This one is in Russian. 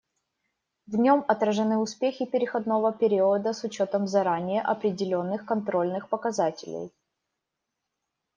В нем отражены успехи переходного периода с учетом заранее определенных контрольных показателей.